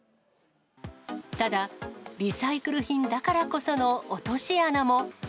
ただ、リサイクル品だからこその落とし穴も。